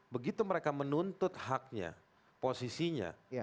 begitu mereka menuntut haknya posisinya